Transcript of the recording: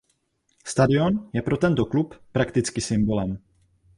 Stadion je pro tento klub prakticky symbolem.